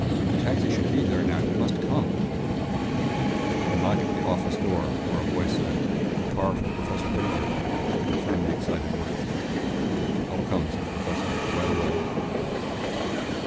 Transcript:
The taxi should be there now you must come " A knock at the office door where a voice said, "Car for Professor Eddinger," confirmed the excited words. "I'll come," said the Professor, "right away."